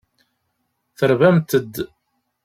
Terbamt-d.